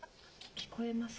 聞こえますか？